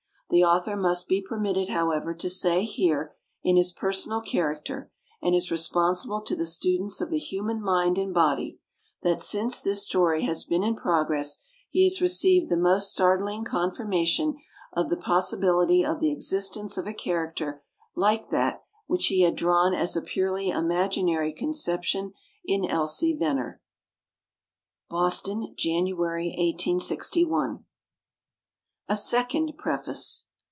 The Author must be permitted, however, to say here, in his personal character, and as responsible to the students of the human mind and body, that since this story has been in progress he has received the most startling confirmation of the possibility of the existence of a character like that which he had drawn as a purely imaginary conception in Elsie Venner. BOSTON, January, 1861. A SECOND PREFACE.